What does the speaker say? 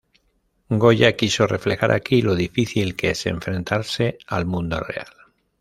Goya quiso reflejar aquí lo difícil que es enfrentarse al mundo real.